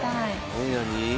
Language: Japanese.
何？